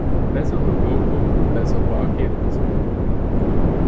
Bessere Wirkung, bessere Ergebnisse.